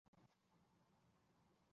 其一般栖息于潮间带细砂质底。